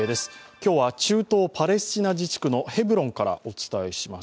今日は中東パレスチナ自治区のヘブロンからお伝えします。